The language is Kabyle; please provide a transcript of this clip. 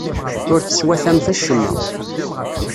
Ur teswatamt acemma.